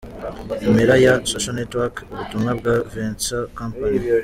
Impera ya {socialnetworck} ubutumwa bwa vincentkompany.